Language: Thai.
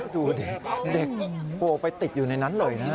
ดูดิเด็กตัวไปติดอยู่ในนั้นเลยนะ